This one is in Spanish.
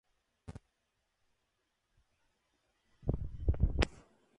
El suelo interior es relativamente plano y sin marcas relevantes.